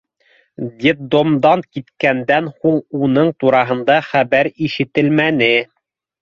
Детдомдан киткәндән һуң уның тураһында хәбәр ишетелмәне.